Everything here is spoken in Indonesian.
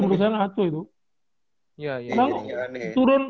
kalau turun kasta kan aneh